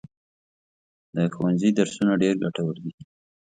د ښوونځي درسونه ډېر ګټور دي.